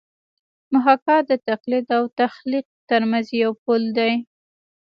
محاکات د تقلید او تخلیق ترمنځ یو پل دی